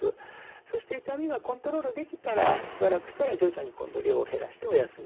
そして痛みがコントロールできたらしばらくしたら徐々に今度量を減らしてお休みすると。